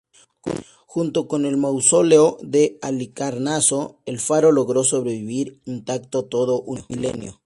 Junto con el Mausoleo de Halicarnaso, el faro logró sobrevivir intacto todo un milenio.